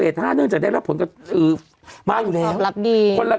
แสดงว่าเราก็ต้องดูอาทิตย์หน้า